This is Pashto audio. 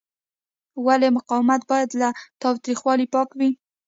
ولې مقاومت باید له تاوتریخوالي پاک وي؟